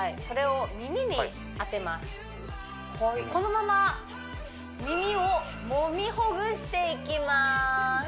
それを耳に当てますこのまま耳をもみほぐしていきます